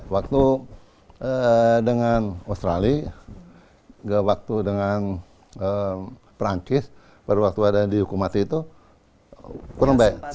waktu dengan australia waktu dengan perancis waktu ada di hukum mati itu kurang baik